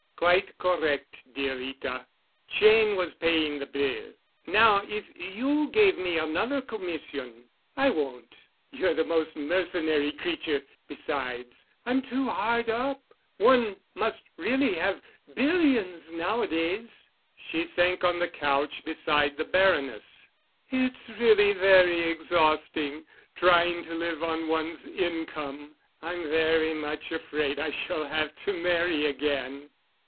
"Quite correct, dear Rita. Cheyne was paying the bill. Now if you gave me another commission——" "I won't—you're the most mercenary creature. Besides, I'm too hard up. One must really have billions nowadays." She sank on the couch beside the Baroness. "It's really very exhausting—trying to live on one's income. I'm very much afraid I shall have to marry again."